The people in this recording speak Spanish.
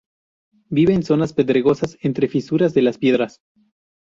Vive en zonas pedregosas, entre fisuras de las piedras.